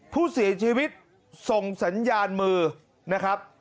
ผู้เสียชีวิตส่งสัญญาณมือนะครับ